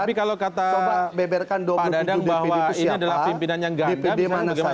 tapi kalau kata padadang bahwa ini adalah pimpinan yang ganda bisa bagaimana pak